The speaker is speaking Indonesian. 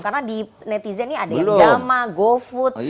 karena di netizen ini ada gama gofood